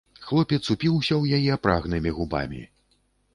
Хлопец упіўся ў яе прагнымі губамі.